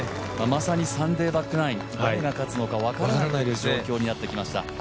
まさにサンデーバックナイン、誰が勝つのか分からない状況となってきました。